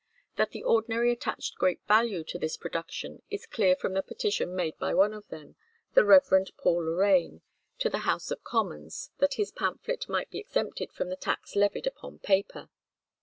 That the ordinary attached great value to this production is clear from the petition made by one of them, the Reverend Paul Lorraine, to the House of Commons, that his pamphlet might be exempted from the tax levied upon paper.